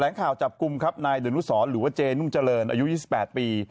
ข่าวจับกลุ่มครับนายดนุสรหรือว่าเจนุ่มเจริญอายุ๒๘ปี